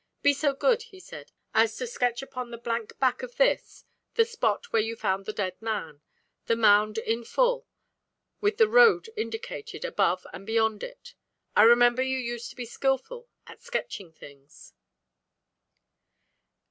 "Be so good," he said, "as to sketch upon the blank back of this the spot where you found the dead man, the mound in full, with the road indicated, above and beyond it. I remember you used to be skilful at sketching things."